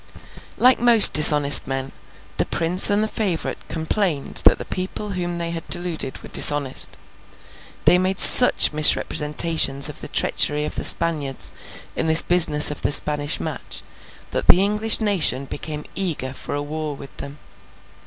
Like most dishonest men, the Prince and the favourite complained that the people whom they had deluded were dishonest. They made such misrepresentations of the treachery of the Spaniards in this business of the Spanish match, that the English nation became eager for a war with them.